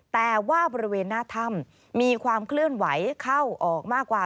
แต่ว่าบริเวณหน้าถ้ำมีความเคลื่อนไหวเข้าออกมากว่า